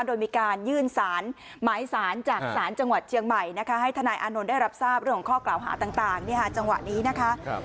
โดยมีการยื่นสารหมายสารจากศาลจังหวัดเชียงใหม่นะคะให้ทนายอานนท์ได้รับทราบเรื่องของข้อกล่าวหาต่างจังหวะนี้นะคะ